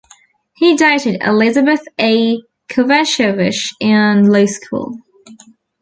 He dated Elizabeth A. Kovachevich in law school.